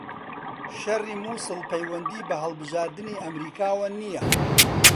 شەڕی موسڵ پەیوەندی بە هەڵبژاردنی ئەمریکاوە نییە